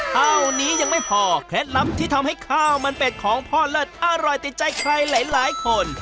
เท่านี้ยังไม่พอเคล็ดลับที่ทำให้ข้าวมันเป็ดของพ่อเลิศอร่อยติดใจใครหลายคน